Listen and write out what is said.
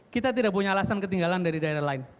karena kita tidak punya alasan ketinggalan dari daerah lain